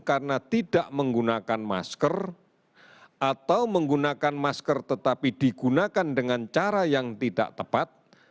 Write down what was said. karena tidak menggunakan masker atau menggunakan masker tetapi digunakan dengan cara yang tidak tepat